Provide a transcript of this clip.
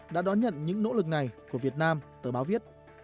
đã đón nhận những nỗ lực này của việt nam tờ báo viết